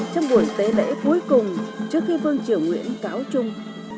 trong buổi tế lễ cuối cùng trước khi vương triều nguyễn cáo trung